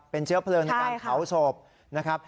เป็นเชื้อเพลิงในการเผาศพนะครับ